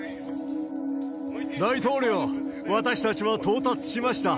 大統領、私たちは到達しました。